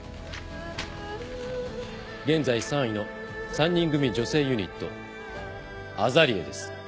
現在３位の３人組女性ユニットＡＺＡＬＥＡです。